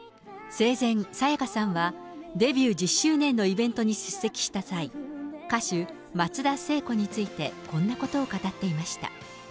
生前、沙也加さんはデビュー１０周年のイベントに出席した際、歌手、松田聖子についてこんなことを語っていました。